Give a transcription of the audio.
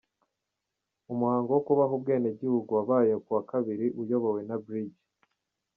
Umuhango wo kubaha ubwenegihugu wabaye ku wa Kabiri uyobowe na Brig.